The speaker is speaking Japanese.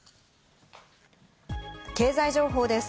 経済情報です。